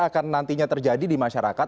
akan nantinya terjadi di masyarakat